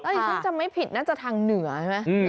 ต้องจะไม่ผิดน่าจะทางเหนือใช่ไหม